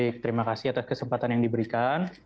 baik terima kasih atas kesempatan yang diberikan